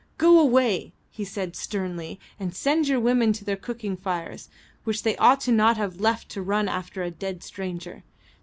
"Go away," he said sternly, "and send your women to their cooking fires, which they ought not to have left to run after a dead stranger.